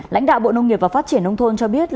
lãnh đạo bộ nông nghiệp và phát triển nông thôn cho biết